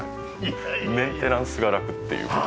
メンテナンスが楽っていう事で。